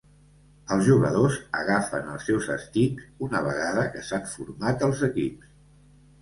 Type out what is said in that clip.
Els jugadors agafen els seus estics una vegada que s'han format els equips.